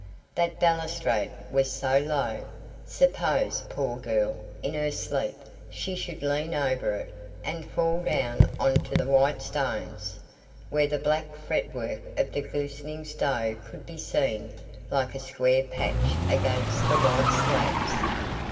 That balustrade was so low. Suppose, poor girl, in her sleep, she should lean over it, and fall down onto the white stones, where the black fretwork of the glistening stove could be seen like a square patch against the white slabs.